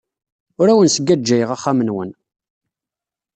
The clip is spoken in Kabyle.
Ur awen-sgajjayeɣ axxam-nwen.